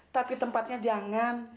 tapi tempatnya jangan